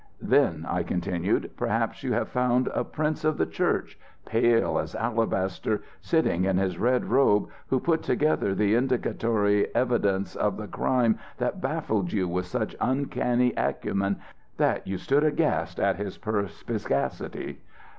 "Then," I continued, "perhaps you have found a prince of the church, pale as alabaster, sitting in his red robe, who put together the indicatory evidence of the crime that baffled you with such uncanny acumen that you stood aghast at his perspicacity?"